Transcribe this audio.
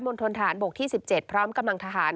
ณฑนฐานบกที่๑๗พร้อมกำลังทหาร